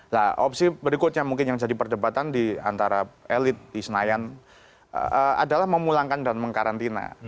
nah opsi berikutnya mungkin yang jadi perdebatan di antara elit di senayan adalah memulangkan dan mengkarantina